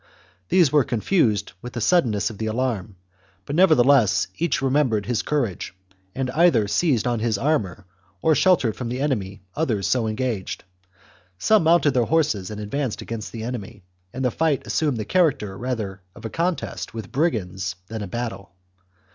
These were confused with the suddenness of the alarm, but nevertheless each remembered his courage, and either seized on his armour or sheltered from the enemy others so engaged. Some mounted their horses and advanced against the enemy, and the fight assumed the char acter rather of a contest with brigands than a bat tle.